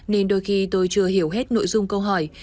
nên đôi khi tôi chưa hiểu hết nội dung câu hỏi